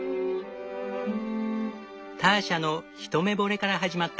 ターシャの一目惚れから始まった。